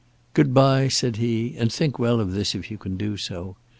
"Good bye," said he; "and think well of this if you can do so.